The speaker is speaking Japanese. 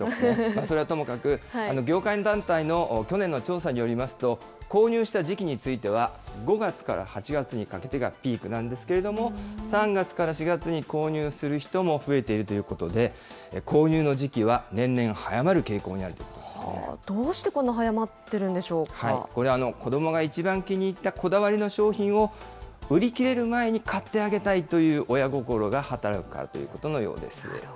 それはともかく、業界団体の去年の調査によりますと、購入した時期については、５月から８月にかけてがピークなんですけれども、３月から４月に購入する人も増えているということで、購入の時期は年々早まる傾向にあるというこどうしてこんな早まっているこれ、子どもがいちばん気に入ったこだわりの商品を、売り切れる前に買ってあげたいという親心が働くからということのようです。